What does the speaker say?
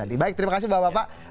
mas adi baik terima kasih bapak bapak